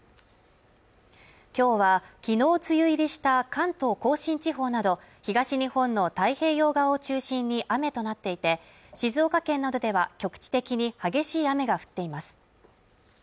今日は、昨日梅雨入りした関東甲信地方など東日本の太平洋側を中心に雨となっていて、静岡県などでは局地的に激しい雨が降っています。